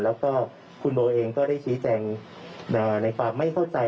แล้วก็คุณโบเองก็ได้ชี้แจงในความไม่เข้าใจ